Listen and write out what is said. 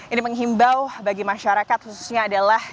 ini menghimbau bagi masyarakat khususnya adalah